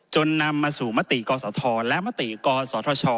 จนนำมาสู่มติกฎศทรและมติกฎศทช